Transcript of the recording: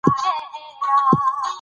ژمی د افغانستان د اقتصاد برخه ده.